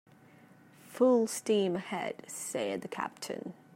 "Full steam ahead," said the captain.